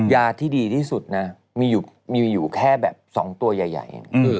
ยาที่ดีที่สุดนะมีอยู่แค่แบบ๒ตัวใหญ่